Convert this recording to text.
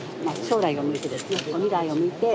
将来を見て未来を見て。